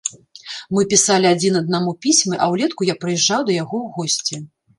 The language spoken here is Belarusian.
Мы пісалі адзін аднаму пісьмы, а ўлетку я прыязджаў да яго ў госці.